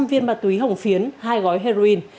năm trăm linh viên ma túy hồng phiến hai gói heroin